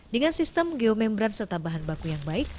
dengan sistem geomembran serta bahan baku yang baik